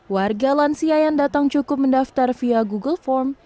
warga lansia yang datang cukup mendaftar via google form